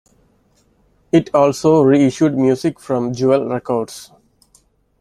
It also reissued music from Jewel Records.